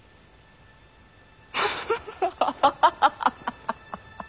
ハハハハハハハ。